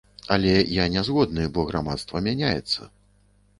Але я нязгодны, бо грамадства мяняецца.